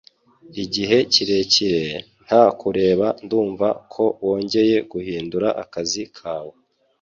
Igihe kirekire, nta kureba Ndumva ko wongeye guhindura akazi kawe